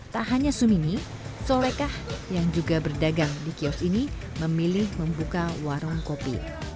tak hanya sumini solekah yang juga berdagang di kios ini memilih membuka warung kopi